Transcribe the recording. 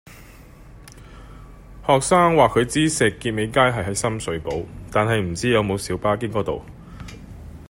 學生話佢知石硤尾街係喺深水埗，但係唔知有冇小巴經嗰度